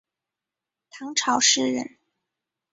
唐朝诗人。